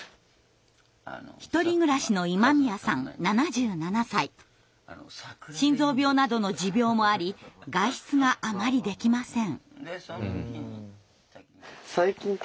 独り暮らしの心臓病などの持病もあり外出があまりできません。